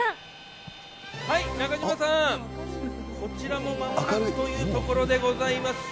中島さん、こちらもまもなくというところでございます。